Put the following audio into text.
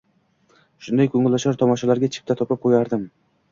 Shunday ko'ngilochar tomoshalarga chipta topib qo'yardim